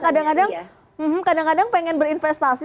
kadang kadang pengen berinvestasi